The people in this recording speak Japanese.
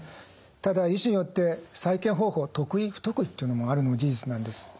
ただ医師によって再建方法得意不得意というのもあるのも事実なんです。